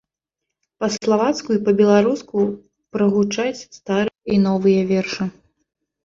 Па-славацку і па-беларуску прагучаць старыя і новыя вершы.